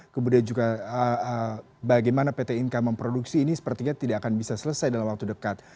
kemudian juga bagaimana pt inka memproduksi ini sepertinya tidak akan bisa selesai dalam waktu dekat